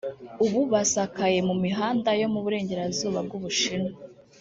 ubu basakaye mu mihanda yo mu Burengerazuba bw’u Bushinwa